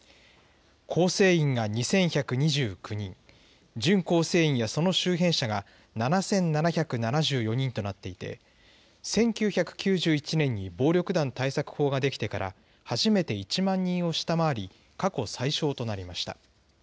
構成員が２１２９人、準構成員やその周辺者が７７７４人となっていて、１９９１年に暴力団対策法が出来てから初めて１万人を下回り、過去最少となりました。